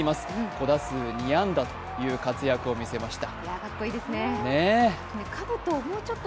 ５打数２安打という活躍を見せました。